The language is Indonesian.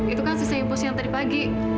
itu kan sisa impus yang tadi pagi